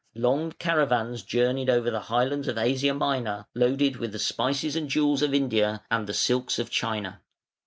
Long caravans journeyed over the highlands of Asia Minor loaded with the spices and jewels of India and the silks of China.